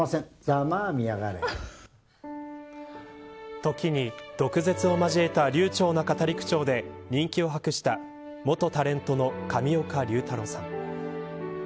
時に毒舌を交えた流ちょうな語り口調で人気を博した元タレントの上岡龍太郎さん。